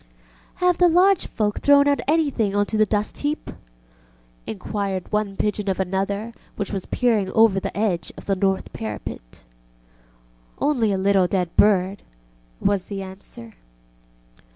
ŌĆ£Have the lodge folk thrown out anything on to the dust heap? ŌĆØ inquired one pigeon of another which was peering over the edge of the north parapet. ŌĆ£Only a little dead bird, ŌĆØ was the answer.